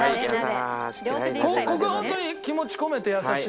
ここは本当に気持ち込めて優しく。